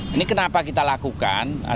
ini kenapa kita lakukan